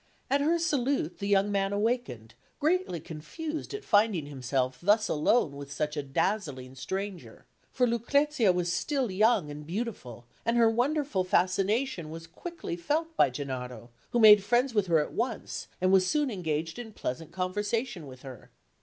At her salute, the young man awakened, greatly confused at finding himself thus alone with such a dazzling stranger; for Lucrezia was still young and beautiful, and her wonderful fascination was quickly felt by Gennaro, who made friends with her at once, and was soon engaged in pleasant conversation with her.